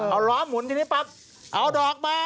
เอาล้อหมุนทีนี้ปั๊บเอาดอกมา